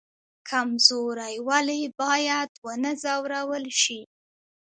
کمزوری ولې باید ونه ځورول شي؟